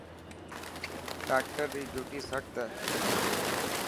ڊاڪٽر ري ڊوٽي سخت هي.